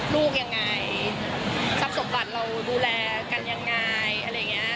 ลูกยังไงทรัพย์สมบัติเราดูแลกันยังไงอะไรอย่างนี้